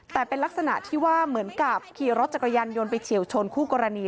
แต่เป็นลักษณะที่ว่าเหมือนกับขี่รถจักรยานยนต์ไปเฉียวชนคู่กรณี